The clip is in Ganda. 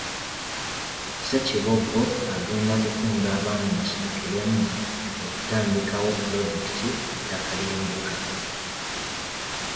Ssekiboobo agenda kukunga Abaami basitukiremu okutandikawo pulojekiti ku ttaka ly’embuga.